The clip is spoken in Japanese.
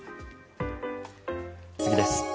次です。